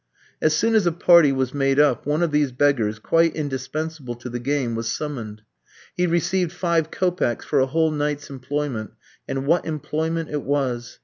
As soon as a party was made up, one of these beggars, quite indispensable to the game, was summoned. He received five kopecks for a whole night's employment; and what employment it was!